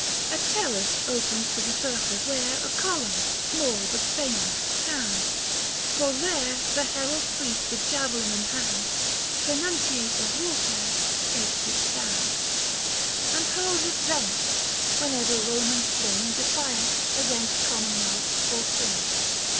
240 A terrace opens to the circus, where A column, small but famous, stands ; for there The herald priest, with javelin in hand, Prenuntiate of warfare, takes his stand 182 THE FASTI. Book VI. And hurls it thence, whenever Eomans fling Defiance against commonwealth or king.